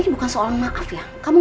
kamu mau memutuskan kontrak kerja kamu